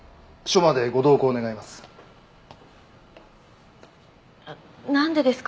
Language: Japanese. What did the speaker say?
署までご同行願います。